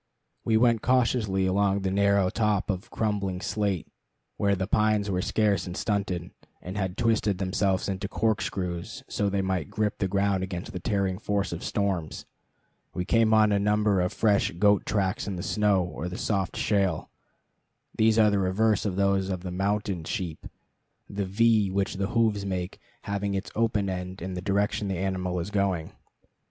We went cautiously along the narrow top of crumbling slate, where the pines were scarce and stunted, and had twisted themselves into corkscrews so they might grip the ground against the tearing force of storms. We came on a number of fresh goat tracks in the snow or the soft shale. These are the reverse of those of the mountain sheep, the V which the hoofs make having its open end in the direction the animal is going.